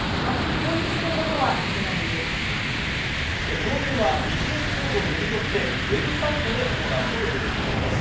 購入は二次元コードを読み取ってウェブサイトで行うということです。